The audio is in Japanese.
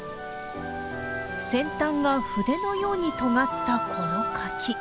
先端が筆のようにとがったこの柿。